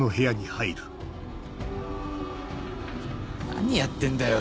何やってんだよ